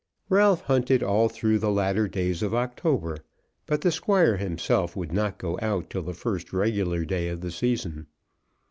Ralph hunted all through the latter days of October, but the Squire himself would not go out till the first regular day of the season.